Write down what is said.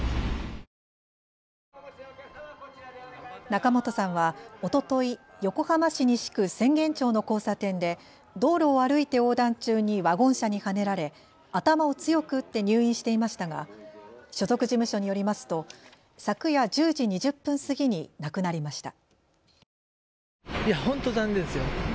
仲本さんはおととい横浜市西区浅間町の交差点で道路を歩いて横断中にワゴン車にはねられ頭を強く打って入院していましたが所属事務所によりますと昨夜１０時２０分過ぎに亡くなりました。